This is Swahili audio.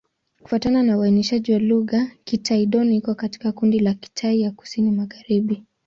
Kufuatana na uainishaji wa lugha, Kitai-Dón iko katika kundi la Kitai ya Kusini-Magharibi.